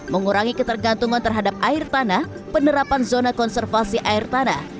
mengurangi ketergantungan terhadap air tanah penerapan zona konservasi air tanah